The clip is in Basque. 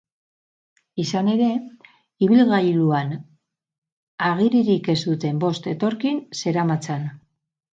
Izan ere, ibilgailuan agiririk ez duten bost etorkin zeramatzan.